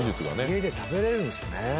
家で食べれるんすね。